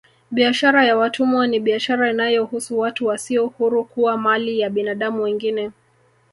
Biashara ya watumwa ni biashara inayohusu watu wasio huru kuwa mali ya binadamu wengine